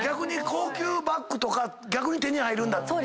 高級バッグとか逆に手に入るんだ。